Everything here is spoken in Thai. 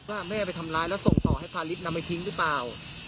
แม่ไปทำร้ายแล้วส่งต่อให้พาริสนำไปทิ้งหรือเปล่า